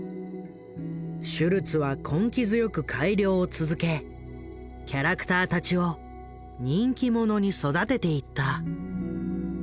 シュルツは根気強く改良を続けキャラクターたちを人気者に育てていった。